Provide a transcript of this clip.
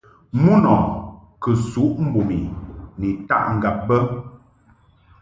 Mun ɔ kɨ suʼ mbum ni taʼ ŋgab be.